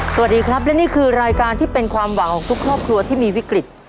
สวัสดีครับและนี่คือรายการที่เป็นความหวังของทุกครอบครัวที่มีวิกฤต